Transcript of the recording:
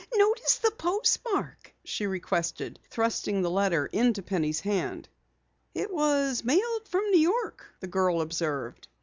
"Notice the postmark," she requested, thrusting the letter into Penny's hand. "It was mailed from New York," the girl observed.